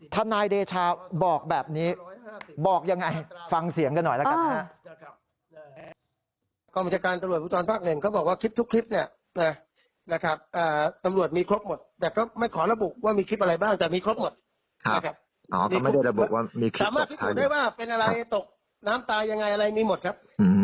ทนายเดชาบอกแบบนี้บอกอย่างไรฟังเสียงกันหน่อยละครับ